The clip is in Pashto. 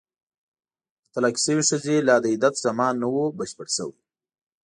د طلاقې شوې ښځې لا د عدت زمان نه وو بشپړ شوی.